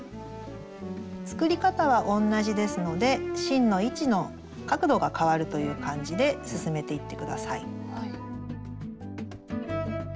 作り方は同じですので芯の位置の角度が変わるという感じで進めていって下さい。